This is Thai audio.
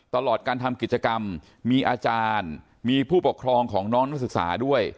ตลอดการทำกิจกรรมมีอาจารย์มีผู้ปกครองของน้องนักศึกษาด้วย